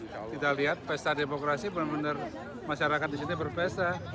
kita lihat pesta demokrasi benar benar masyarakat di sini berpesta